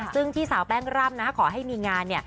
ซึ่งที่สาวแป้งร่ำขอให้มีงาน